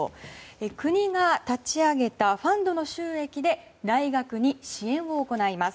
国が立ち上げたファンドの収益で大学に支援を行います。